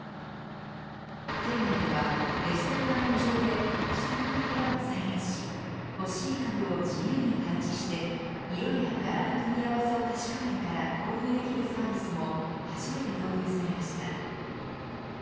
店内では、デジタル画面上で自宅の部屋を再現し欲しい家具を自由に配置して色や柄の組み合わせを確かめてから購入できるサービスも初めて導入されました。